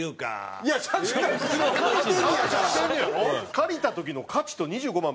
借りた時の価値と２５万